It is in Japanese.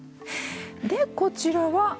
でこちらは？